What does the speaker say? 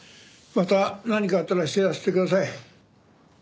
また何かあったら知らせてください。